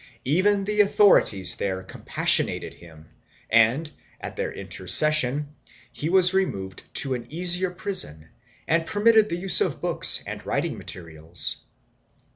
Even the authorities there compassionated him and, at their intercession, he was removed to an easier prison and permitted the use of books and writing materials.